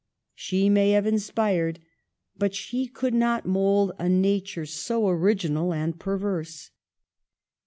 She may have inspired, but she could not mould, a nature so original and perverse.